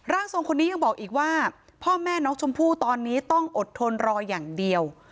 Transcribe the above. ทรงคนนี้ยังบอกอีกว่าพ่อแม่น้องชมพู่ตอนนี้ต้องอดทนรออย่างเดียว